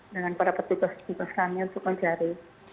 dengan para petugas petugas kami untuk mencari